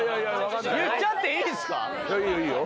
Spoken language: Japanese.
言っちゃっていいんすか？